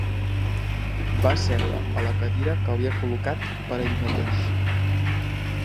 Va seure a la cadira que havia col·locat per a ell mateix.